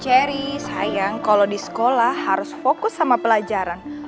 cherry sayang kalo di sekolah harus fokus sama pelajaran